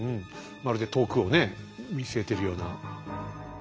まるで遠くをね見据えているような。